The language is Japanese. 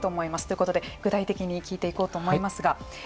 ということで具体的に聞いていこうと思いますが。